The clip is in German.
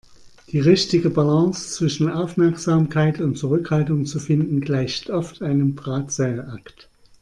Die richtige Balance zwischen Aufmerksamkeit und Zurückhaltung zu finden, gleicht oft einem Drahtseilakt.